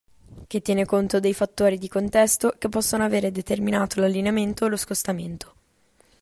Che tiene conto dei fattori di contesto che possono avere determinato l'allineamento o lo scostamento.